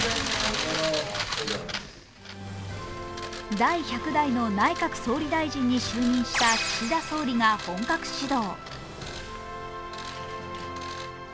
第１００代の内閣総理大臣に就任した岸田総理が本格始動。